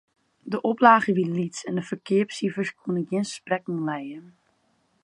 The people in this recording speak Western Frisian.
De oplage wie lyts en de ferkeapsifers koene gjin sprekken lije.